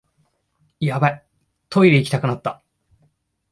ヤバい、トイレ行きたくなった